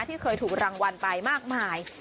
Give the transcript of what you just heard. ที่เคยถูกรางวัลไปมากมาย